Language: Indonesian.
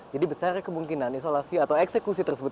jadi besar kemungkinan isolasi atau eksekusi tersebut